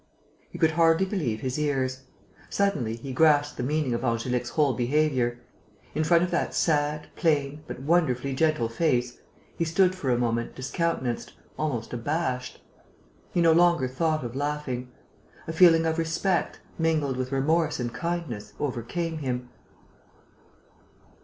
He could hardly believe his ears. Suddenly, he grasped the meaning of Angélique's whole behaviour. In front of that sad, plain, but wonderfully gentle face, he stood for a moment discountenanced, almost abashed. He no longer thought of laughing. A feeling of respect, mingled with remorse and kindness, overcame him.